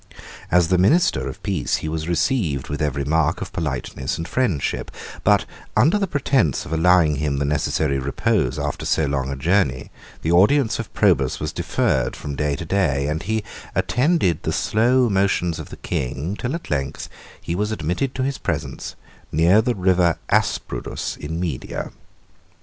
As the minister of peace, he was received with every mark of politeness and friendship; but, under the pretence of allowing him the necessary repose after so long a journey, the audience of Probus was deferred from day to day; and he attended the slow motions of the king, till at length he was admitted to his presence, near the River Asprudus in Media.